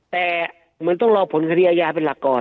แต่เหมือนต้องรอผลคดีอาญาเป็นหลักก่อน